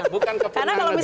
bukan kepunahan negara